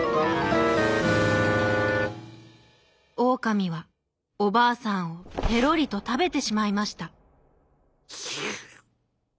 オオカミはおばあさんをペロリとたべてしまいました。